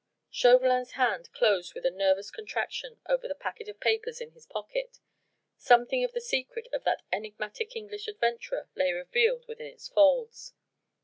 Chauvelin's hand closed with a nervous contraction over the packet of papers in his pocket. Something of the secret of that enigmatic English adventurer lay revealed within its folds.